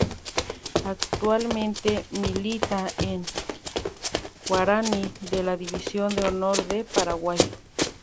Actualmente milita en Guaraní de la División de Honor de Paraguay.